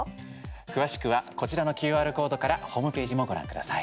詳しくはこちらのＱＲコードからホームページもご覧ください。